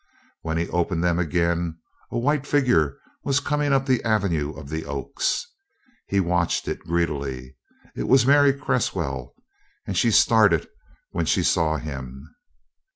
When he opened them again a white figure was coming up the avenue of the Oaks. He watched it greedily. It was Mary Cresswell, and she started when she saw him.